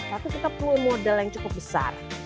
satu kita perlu modal yang cukup besar